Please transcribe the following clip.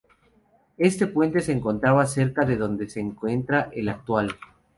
Este puente se encontraba cerca de donde se encuentra el actual.